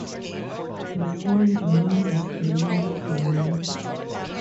The song remembers the loved one.